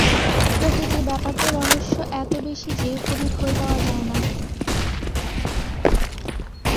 প্রকৃতির ব্যাপারটায় রহস্য এত বেশি যে, কোনো থই পাওয়া যায় না।